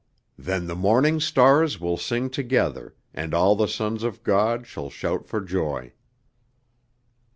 "Then the morning stars will sing together, and all the sons of God shall shout for joy."